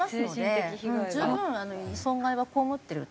十分損害は被ってると。